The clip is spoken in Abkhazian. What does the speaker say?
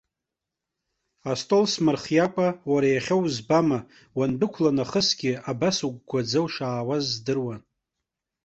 Астол смырхиакәа, уара иахьа узбама, уандәықәла нахысгьы, абас угәгәаӡа ушаауаз здыруан.